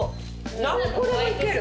何個でもいける。